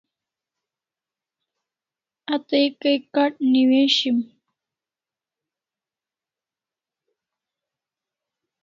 A tay kay kh'at newishim